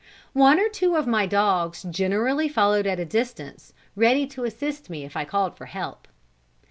One or two of my dogs generally followed at a distance, ready to assist me if I called for help.